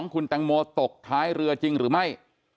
คุณแตงโมตกท้ายเรือจริงหรือไม่